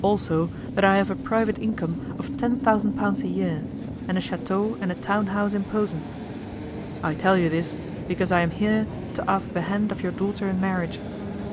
Also that I have a private income of ten thousand pounds a year, and a château and a town house in Posen. I tell you this because I am here to ask the hand of your daughter in marriage.